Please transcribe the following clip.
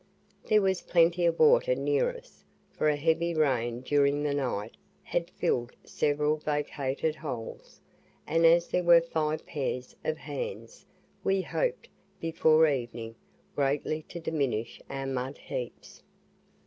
There was plenty of water near us, for a heavy rain during the night had filled several vacated holes, and as there were five pair of hands, we hoped, before evening, greatly to diminish our mud heaps.